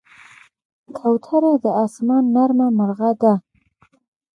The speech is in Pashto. کوتره د آسمان نرمه مرغه ده.